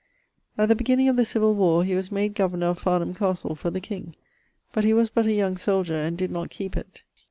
At the beginning of the civill warre he was made governor of Farnham castle for the king, but he was but a young soldier, and did not keepe it.